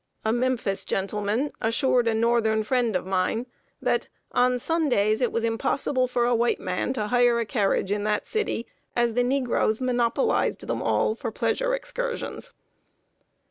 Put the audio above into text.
A Memphis gentleman assured a northern friend of mine that, on Sundays, it was impossible for a white man to hire a carriage in that city, as the negroes monopolized them all for pleasure excursions!